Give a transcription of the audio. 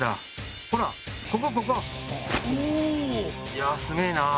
いや、すげえなあ！